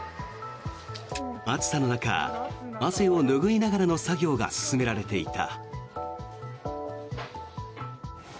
暑さの中汗を拭いながらの作業が進められていた。